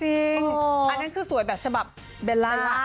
อันนั้นคือสวยแบบฉบับเบลล่า